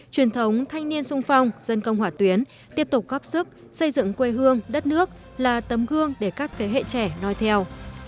truyền thống thanh niên sung phong dân công hỏa tuyến tiếp tục góp sức xây dựng quê hương đất nước là tấm gương để các thế hệ trẻ nói theo